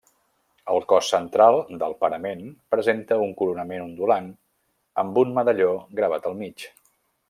El cos central del parament presenta un coronament ondulant amb un medalló gravat al mig.